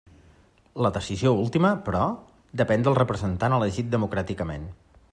La decisió última, però, depén del representant elegit democràticament.